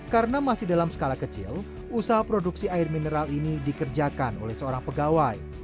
karena masih dalam skala kecil usaha produksi air mineral ini dikerjakan oleh seorang pegawai